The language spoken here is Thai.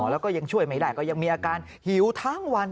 แล้วก็ยังช่วยไม่ได้ก็ยังมีอาการหิวทั้งวัน